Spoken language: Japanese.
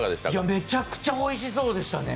めちゃくちゃおいしそうでしたね。